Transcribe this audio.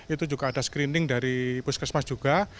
itu juga ada screening dari puskesmas juga